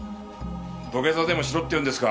土下座でもしろって言うんですか！？